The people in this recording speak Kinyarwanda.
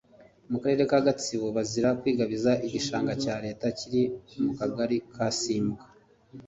mu karere ka Gatsibo bazira kwigabiza igishanga cya Leta kiri mu kagari ka Simbwa